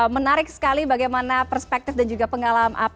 menarik sekali bagaimana perspektif dan juga pengalaman yang anda bagikan